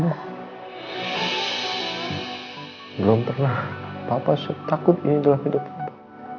belum pernah papa takut ini dalam hidupnya